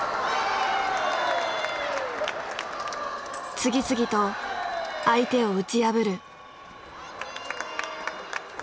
次々と相手を打ち破る。